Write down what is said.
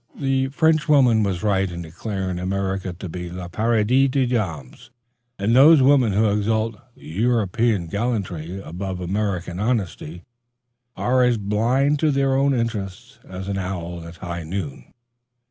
The Frenchwoman was right in declaring America to be le paradis des dames, and those women who exalt European gallantry above American honesty are as blind to their own interests as an owl at high noon.